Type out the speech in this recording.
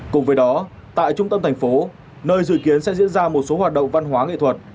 cùng với đó tại trung tâm thành phố nơi dự kiến sẽ diễn ra một số hoạt động văn hóa nghệ thuật